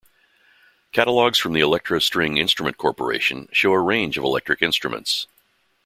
Catalogues from the Electro String Instrument Corporation show a range of electric instruments.